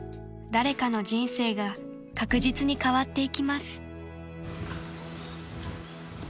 ［誰かの人生が確実に変わっていきます］